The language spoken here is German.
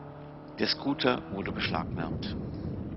Der Scooter wurde beschlagnahmt.